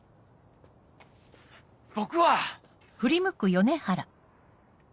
僕は！